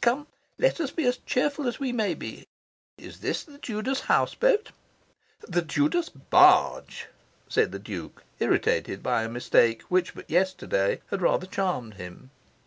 Come, let us be as cheerful as we may be. Is this the Judas house boat?" "The Judas barge," said the Duke, irritated by a mistake which but yesterday had rather charmed him.